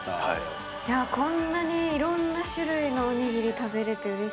こんなにいろんな種類のおにぎり食べれてうれしかったです。